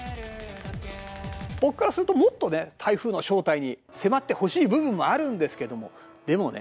僕からするともっとね台風の正体に迫ってほしい部分もあるんですけどもでもね